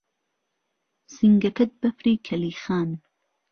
سینگهکهت بهفری کهلیخان